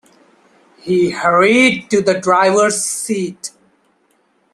He hurried to the driver's seat.